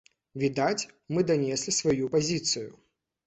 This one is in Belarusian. Відаць, мы данеслі сваю пазіцыю.